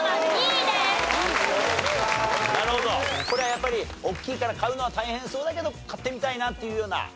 これはやっぱり大きいから飼うのは大変そうだけど飼ってみたいなっていうような？